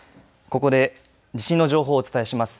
ここで地震の情報をお伝えします。